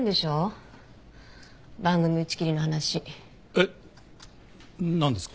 えっ何ですか？